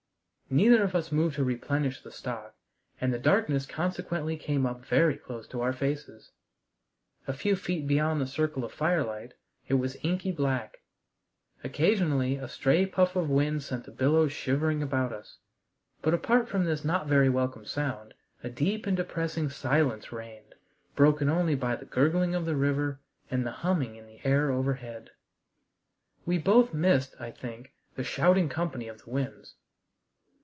Neither of us moved to replenish the stock, and the darkness consequently came up very close to our faces. A few feet beyond the circle of firelight it was inky black. Occasionally a stray puff of wind set the billows shivering about us, but apart from this not very welcome sound a deep and depressing silence reigned, broken only by the gurgling of the river and the humming in the air overhead. We both missed, I think, the shouting company of the winds.